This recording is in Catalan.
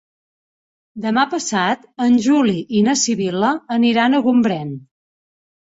Demà passat en Juli i na Sibil·la aniran a Gombrèn.